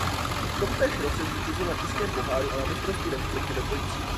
V tomtéž roce zvítězil na Českém poháru a na mistrovství republiky ve dvojicích.